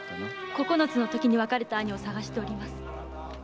九つのときに別れた兄を探しております。